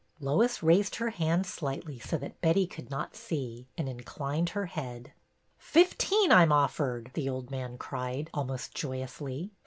Lois raised her hand slightly, so that Betty could not see, and inclined her head. " Fifteen I 'm offered," the old man cried, almost joyously.